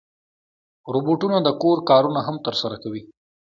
روبوټونه د کور کارونه هم ترسره کوي.